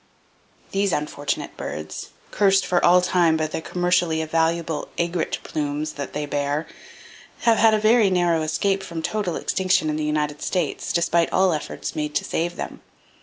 —These unfortunate birds, cursed for all time by the commercially valuable "aigrette" plumes that they bear, have had a very narrow escape from total extinction in the United States, despite all the efforts made to save them.